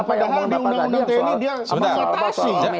padahal di undang undang tni dia bersatasi